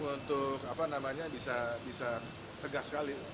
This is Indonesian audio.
untuk apa namanya bisa tegas sekali